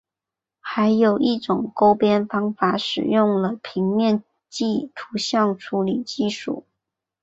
还有一种勾边方法使用了平面图像处理技术。